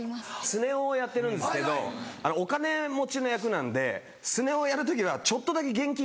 スネ夫をやってるんですけどお金持ちの役なんでスネ夫やる時はちょっとだけ現金多めに。